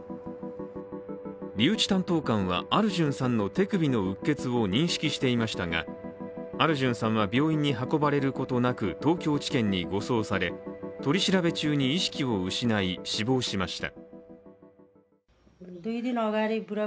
留置担当官はアルジュンさんの手首のうっ血を認識していましたがアルジュンさんは病院に運ばれることなく東京地検に護送され取り調べ中に意識を失い死亡しました。